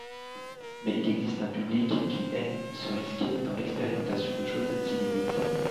Mais il existe un public qui aime se risquer dans l'expérimentation de choses inédites.